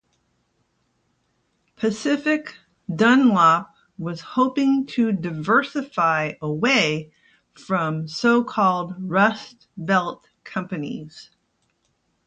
Pacific Dunlop was hoping to diversify away from so-called rustbelt companies.